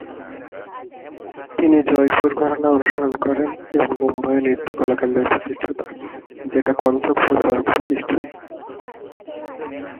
তিনি জয়পুর ঘরানা অনুসরণ করেন এবং মুম্বইয়ের "নৃত্য কলা কেন্দ্রের" প্রতিষ্ঠাতা, যেটা "কত্থক" প্রচারক প্রতিষ্ঠান।